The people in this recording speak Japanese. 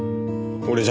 俺じゃ。